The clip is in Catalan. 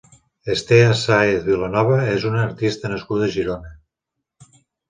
Estela Saez Vilanova és una artista nascuda a Girona.